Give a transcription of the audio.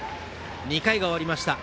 ２回が終わりました。